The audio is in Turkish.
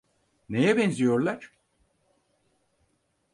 Neye benziyorlar?